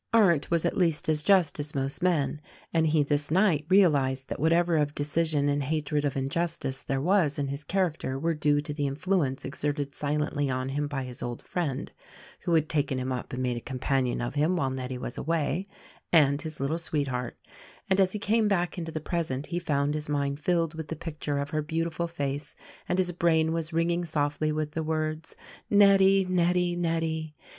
Arndt was at least as just as most men, and he this night realized that whatever of decision and hatred of injus tice there was in his character were due to the influence exerted silently on him by his old friend — who had taken him up and made a companion of him while Nettie was away — and his little sweetheart; and as he came back into the present he found his mind filled with the picture of her beautiful face, and his brain was ringing softly with the words "Nettie! Nettie! Nettie!"